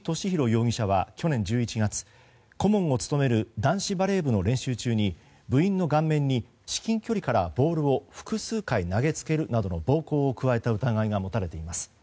容疑者は去年１１月顧問を務める男子バレー部の練習中に部員の顔面に至近距離からボールを複数回投げつけるなどの暴行を加えた疑いが持たれています。